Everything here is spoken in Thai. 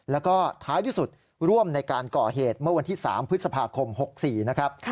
แล้วก็ท้ายที่สุดร่วมในการก่อเหตุเมื่อวันที่๓พฤษภาคม๖๔นะครับ